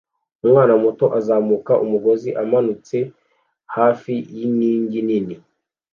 Umwana muto azamuka umugozi umanitse hafi yinkingi nini